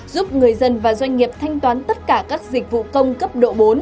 giúp người dân và doanh nghiệp thanh toán tất cả các dịch vụ công cấp độ bốn